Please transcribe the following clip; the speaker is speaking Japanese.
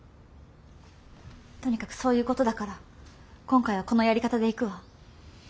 とにかくそういうことだから今回はこのやり方でいくわ。